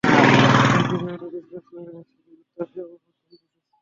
Anti hero হলেও বেশির ভাগ ছবিতে দর্শকের হাততালি আমার পক্ষে নিয়ে এসেছি।